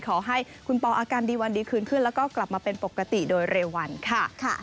ขอให้คุณปออาการดีวันดีคืนขึ้นแล้วก็กลับมาเป็นปกติโดยเร็ววันค่ะ